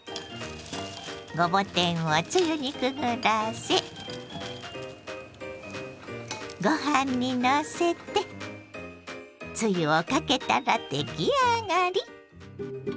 ごぼ天をつゆにくぐらせご飯にのせてつゆをかけたら出来上がり。